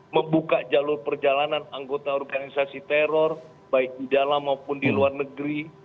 membuka jalur perjalanan anggota organisasi teror baik di dalam maupun di luar negeri